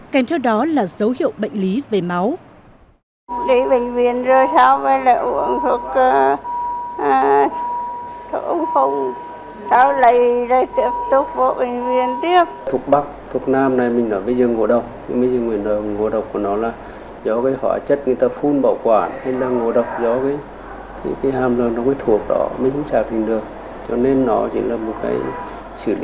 kèm theo đó là dấu hiệu bệnh lý về máu